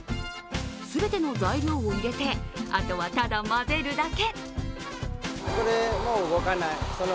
全ての材料を入れて、あとはただ混ぜるだけ。